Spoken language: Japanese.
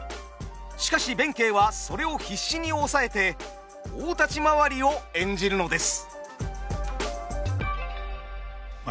しかし弁慶はそれを必死に抑えて大立ち回りを演じるのです。